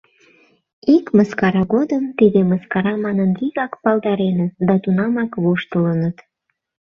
Ик мыскара годым тиде мыскара манын вигак палдареныт да тунамак воштылыныт.